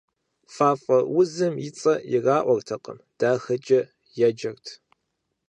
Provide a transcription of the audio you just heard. Фафӏэ узым и цӏэ ираӏуэртэкъым, «дахэкӏэ» еджэрт.